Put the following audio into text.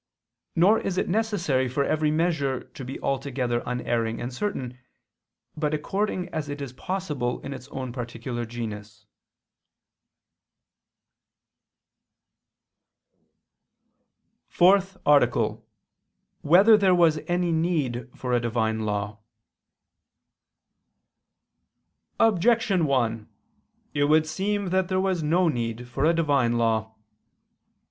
Nor is it necessary for every measure to be altogether unerring and certain, but according as it is possible in its own particular genus. ________________________ FOURTH ARTICLE [I II, Q. 91, Art. 4] Whether There Was Any Need for a Divine Law? Objection 1: It would seem that there was no need for a Divine law.